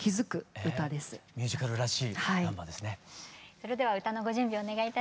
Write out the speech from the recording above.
それでは歌のご準備をお願いいたします。